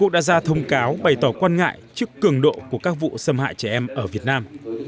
đã ra thông cáo bày tỏ quan ngại trước cường độ của các vụ xâm hại trẻ em ở việt nam